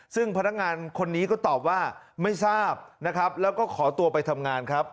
ซึ่งพนักงานคนนี้ก็ตอบว่าไม่ทราบนะครับแล้วก็ขอตัวไปทำงานครับ